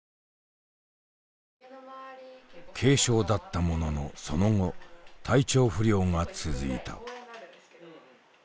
軽症だったもののその後体調不良が続いた。